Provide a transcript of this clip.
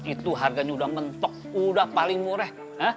itu harganya udah mentok udah paling murah